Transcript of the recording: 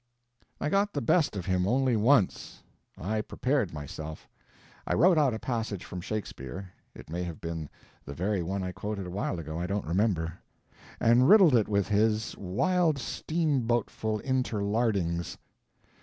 I got the best of him only once. I prepared myself. I wrote out a passage from Shakespeare—it may have been the very one I quoted awhile ago, I don't remember—and riddled it with his wild steamboatful interlardings.